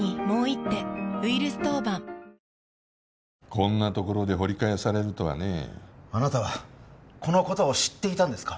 こんなところで掘り返されるとはねあなたはこのことを知っていたんですか？